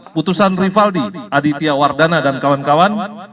putusan rivaldi aditya wardana dan kawan kawan